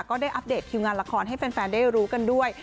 ได้อัปเดตคิวงานละครให้แฟนได้รู้กันด้วย